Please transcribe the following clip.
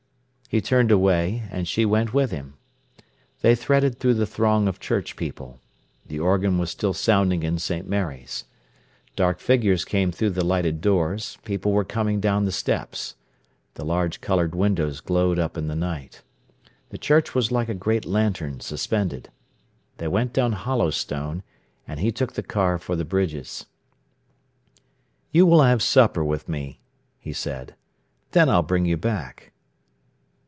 He turned away, and she went with him. They threaded through the throng of church people. The organ was still sounding in St. Mary's. Dark figures came through the lighted doors; people were coming down the steps. The large coloured windows glowed up in the night. The church was like a great lantern suspended. They went down Hollow Stone, and he took the car for the Bridges. "You will just have supper with me," he said: "then I'll bring you back."